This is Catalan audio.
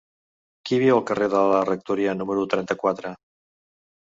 Qui viu al carrer de la Rectoria número trenta-quatre?